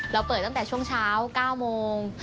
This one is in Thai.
เราเปิดตั้งแต่ช่วงเช้า๙โมง